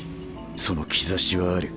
その兆しはある。